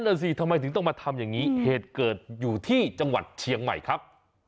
นั่นสิทำไมถึงต้องมาทำอย่างนี้เหตุเกิดอยู่ที่จังหวัดเชียงใหม่ครับ